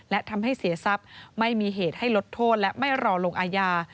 และทำให้เสียทรัพย์ไม่มีเหตุให้ลดโทษและไม่รอลงอาญา